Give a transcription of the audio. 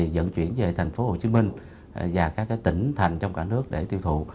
dẫn chuyển về thành phố hồ chí minh và các tỉnh thành trong cả nước để tiêu thụ